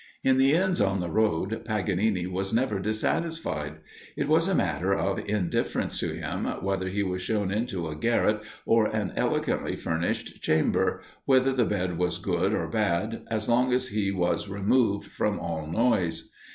In the inns on the road, Paganini was never dissatisfied. It was a matter of indifference to him, whether he was shown into a garret or an elegantly furnished chamber, whether the bed was good or bad, as long as he was removed from all noise.